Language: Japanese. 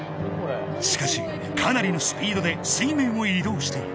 しかしかなりのスピードで水面を移動している